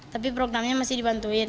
tapi programnya masih dibantuin